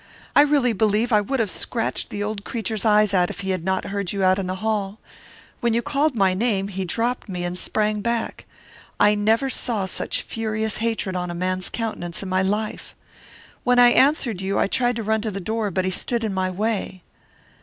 I really believe I would have scratched the old creature's eyes out if he had not heard you out in the hall. When you called my name, he dropped me and sprang back. I never saw such furious hatred on a man's countenance in my life. "When I answered you, I tried to run to the door, but he stood in my way.